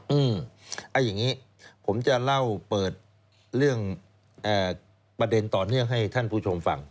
อย่างนี้ผมจะเล่าเปิดเรื่องประเด็นต่อเนื่องให้ท่านผู้ชมฟัง